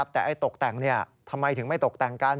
แต่ตกแต่งทำไมถึงไม่ตกแต่งกัน